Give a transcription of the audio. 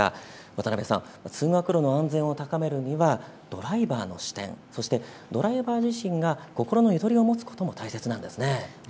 渡辺さん、通学路の安全を高めるにはドライバーの視点、そしてドライバー自身が心のゆとりを持つことも大切なんですね。